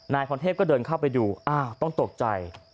นายพรเทพก็เดินเข้าไปดูอ้าวต้องตกใจ